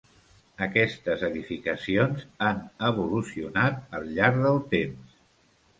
Aquestes edificacions han evolucionat al llarg del temps.